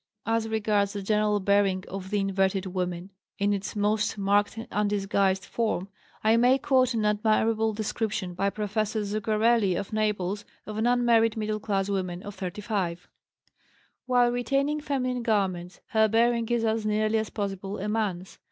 As regards the general bearing of the inverted woman, in its most marked and undisguised form, I may quote an admirable description by Prof. Zuccarelli, of Naples, of an unmarried middle class woman of 35: "While retaining feminine garments, her bearing is as nearly as possible a man's.